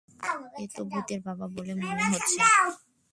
এ তো ভূতের বাবা বলে মনে হচ্ছে!